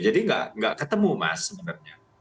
jadi nggak ketemu mas sebenarnya